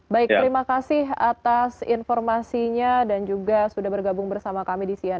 baik terima kasih atas informasinya dan juga sudah bergabung bersama kami di cnn